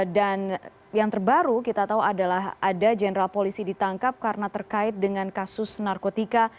dan yang terbaru kita tahu adalah ada jenderal polisi ditangkap karena terkait dengan kasus narkotika